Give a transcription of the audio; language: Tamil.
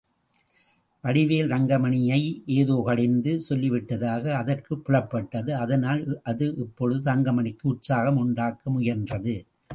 வடிவேல் தங்கமணியை ஏதோ கடிந்து சொல்லிவிட்டதாக அதற்குப் புலப்பட்டது, அதனால் அது இப்பொழுது தங்கமணிக்கு உற்சாகம் உண்டாக்க முயன்றது.